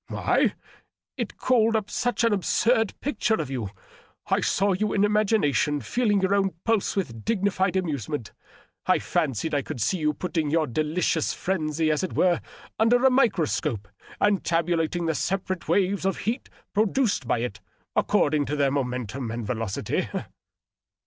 " Why ? It called up such an absurd picture of you I I saw you in imagination feeling your own pulse with dignified amazement. I &ncied I could see you putting your delicious frenzy, as it were, under a microscope and tabulating the separate waves of heat produced by it, according to their momentum and velocity."